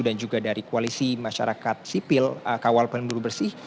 dan juga dari koalisi masyarakat sipil kawal peneluru bersih